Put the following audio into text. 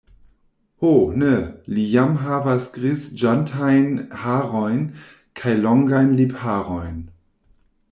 Ho ne, li jam havas griziĝantajn harojn kaj longajn lipharojn.